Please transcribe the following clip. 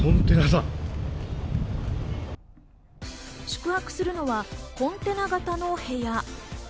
宿泊するのはコンテナ型の部屋。